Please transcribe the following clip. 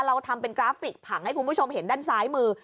เราทำเป็นกราฟิกผังให้คุณผู้ชมเห็นด้านซ้ายมือ